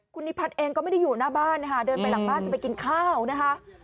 คุณนิพัฒน์เองก็ไม่ได้อยู่หน้าบ้านนะคะเดินไปหลังบ้านจะไปกินข้าวนะคะ